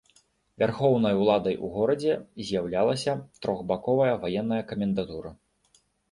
Вярхоўнай уладай у горадзе з'яўлялася трохбаковая ваенная камендатура.